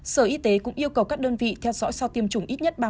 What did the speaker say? sở y tế cũng yêu cầu các đơn vị theo dõi sau tiêm chủng ít nhất ba mươi